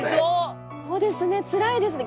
そうですねつらいですね。